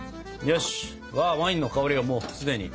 よしワインの香りがもうすでに。